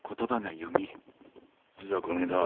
実はこねえだ